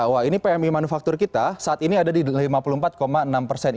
wah ini pmi manufaktur kita saat ini ada di lima puluh empat enam persen